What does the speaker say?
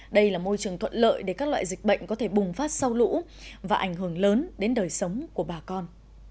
đây là môi trường thuận lợi để các loại dịch bệnh có thể bùng phát sau lũ và ảnh hưởng lớn đến đời sống của bà con